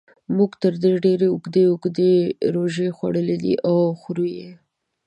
موږ تر دې ډېرې اوږدې اوږدې روژې خوړلې دي او خورو یې.